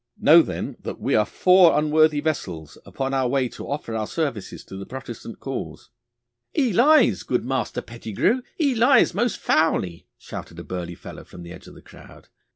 'Know then that we are four unworthy vessels upon our way to offer our services to the Protestant cause.' 'He lies, good Master Pettigrue, he lies most foully,' shouted a burly fellow from the edge of the crowd.